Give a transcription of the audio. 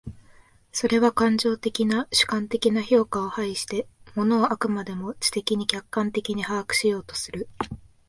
それは感情的な主観的な評価を排して、物を飽くまでも知的に客観的に把握しようとする。